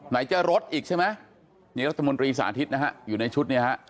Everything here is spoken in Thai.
ไหนจะรถอีกใช่มะนี่รัฐมนตรีสาธิตนะฮะอยู่ในชุด